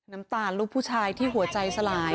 น้ำตาลลูกผู้ชายที่หัวใจสลาย